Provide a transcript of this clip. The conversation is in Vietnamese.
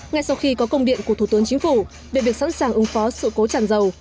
ngay sau khi có công điện của thủ tướng chính phủ về việc sẵn sàng ứng phó sự cố tràn dầu